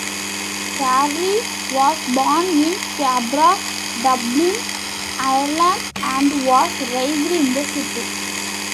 Farrelly was born in Cabra, Dublin, Ireland and was raised in the city.